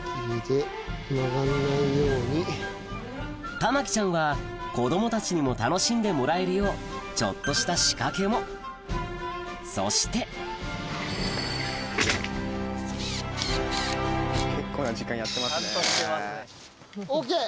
玉季ちゃんは子供たちにも楽しんでもらえるようちょっとした仕掛けもそしてイエイ！